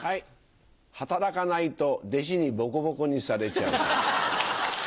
働かないと弟子にボコボコにされちゃうから。